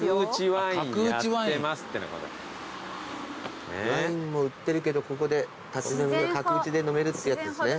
ワインも売ってるけどここで立ち飲みで角打ちで飲めるってやつですね。